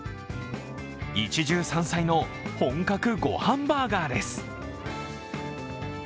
一汁三菜の本格ごはんバーガーです。